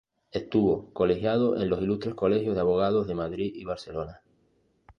Estuvo colegiado en los Ilustres Colegios de Abogados de Madrid y Barcelona.